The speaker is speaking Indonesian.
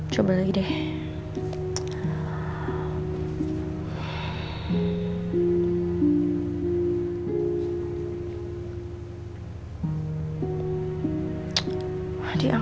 dan mereka berdua disegan